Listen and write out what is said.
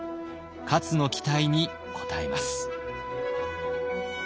勝の期待に応えます。